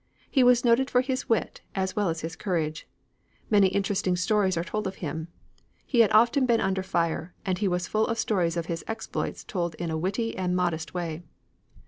He was noted for his wit as well as his courage. Many interesting stories are told of him. He had been often under fire, and he was full of stories of his exploits told in a witty and modest way.